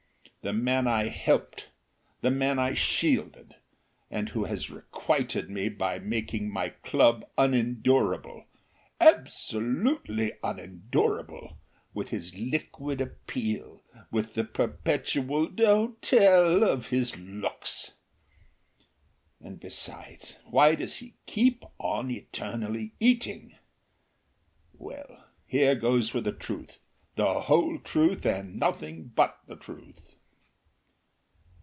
The man I helped, the man I shielded, and who has requited me by making my club unendurable, absolutely unendurable, with his liquid appeal, with the perpetual "don't tell" of his looks. And, besides, why does he keep on eternally eating? Well, here goes for the truth, the whole truth, and nothing but the truth!